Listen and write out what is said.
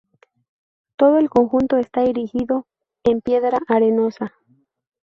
Todo el conjunto está erigido en piedra arenosa.